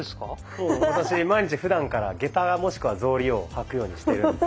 そう私毎日ふだんから下駄もしくは草履を履くようにしてるんです。